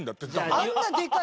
あんなでかい？